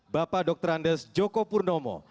bapak dr andes joko purnomo